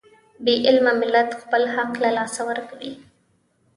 بې علمه ملت خپل حق له لاسه ورکوي.